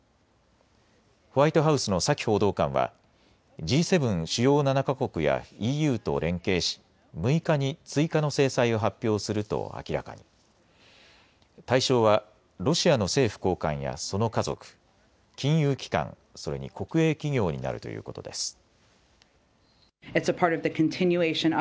ホワイトハウスのサキ報道官はＧ７・主要７か国やＥＵと連携し６日に追加の制裁を発表すると明らかに対象はロシアの政府高官やその家族、金融機関、それに国営企業になるということです。